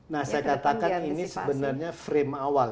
nah saya katakan ini sebenarnya frame awal